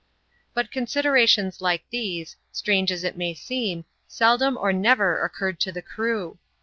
But considerations like these, strange as it may seem, seldom or never occurred to the crew.